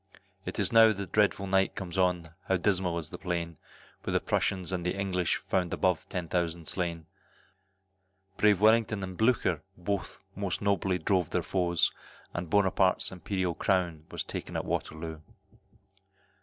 It's now the dreadful night comes on, how dismal is the plain, When the Prussians and the English found above ten thousand slain, Brave Wellington and Blucher bold most nobly drove their foes, And Buonaparte's Imperial crown was taken at Waterloo.